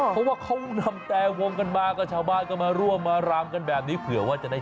เพราะว่าเค้านำแกวงกันมาชาวบ้านกันมารวมมาลำกันแบบนี้